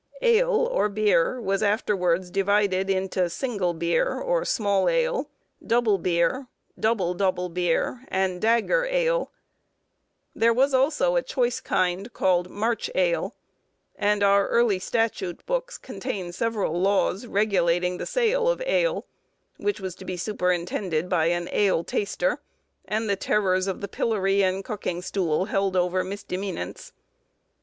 Ale, or beer, was afterwards divided into single beer, or small ale, double beer, double double beer, and dagger ale; there was, also, a choice kind, called March ale; and our early statute books contain several laws regulating the sale of ale, which was to be superintended by an ale taster, and the terrors of the pillory and cucking stool held over misdemeanants.